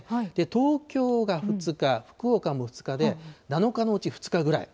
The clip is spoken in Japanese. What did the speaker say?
東京が２日、福岡も２日で、７日のうち２日ぐらい。